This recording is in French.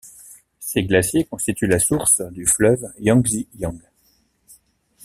Ses glaciers constituent la source du fleuve Yangzi Jiang.